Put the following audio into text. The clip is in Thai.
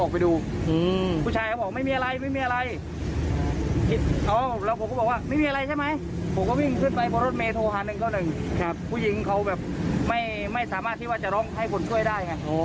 ผู้หญิงเขาแบบไม่สามารถที่ว่าจะร้องให้คนช่วยได้ไง